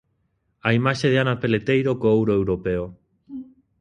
A imaxe de Ana Peleteiro co ouro europeo.